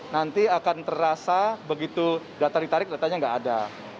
nanti akan terasa begitu data ditarik datanya nggak ada